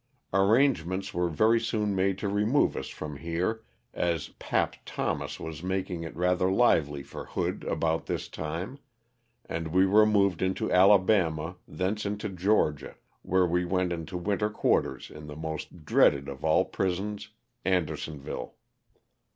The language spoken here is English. Arrangements were very soon made to remove us from here, as 'Pap" Thomas was making it rather lively for Hood about this time, and we were moved into Alabama, thence into Georgia, where we went into winter quarters in the most dreaded of all prisons, Andersonville.